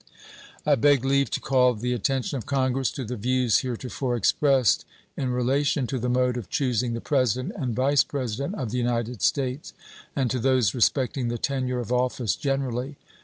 I beg leave to call the attention of Congress to the views heretofore expressed in relation to the mode of choosing the President and Vice President of the United States, and to those respecting the tenure of office generally.